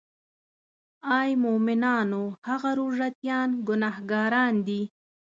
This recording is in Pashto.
آی مومنانو هغه روژه تیان ګناهګاران دي.